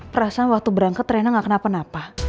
perasaan waktu berangkat rena gak kenapa napa